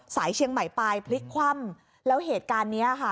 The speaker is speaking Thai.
สายเชียงใหม่ปลายพลิกคว่ำแล้วเหตุการณ์เนี้ยค่ะ